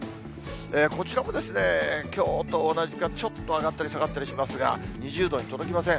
こちらもきょうと同じか、ちょっと上がったり下がったりしますが、２０度に届きません。